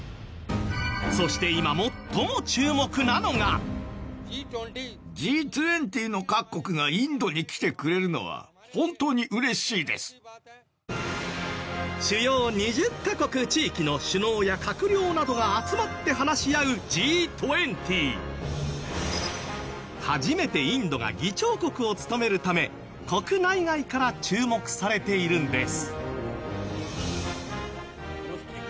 そして主要２０カ国地域の首脳や閣僚などが集まって話し合う初めてインドが議長国を務めるため国内外から注目されているんです。